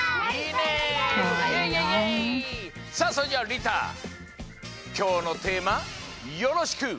さあそれじゃありたきょうのテーマよろしく。